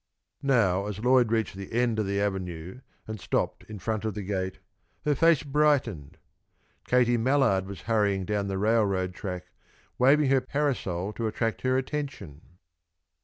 Now, as Lloyd reached the end of the avenue and stopped in front of the gate, her face brightened. Katie Mallard was hurrying down the railroad track, waving her parasol to attract her attention.